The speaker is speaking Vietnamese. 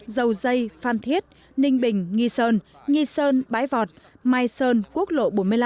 dầu dây phan thiết ninh bình nghi sơn nghi sơn bãi vọt mai sơn quốc lộ bốn mươi năm